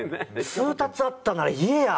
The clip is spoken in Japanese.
通達あったなら言えや！